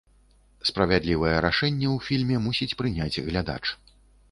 Справядлівае рашэнне ў фільме мусіць прыняць глядач.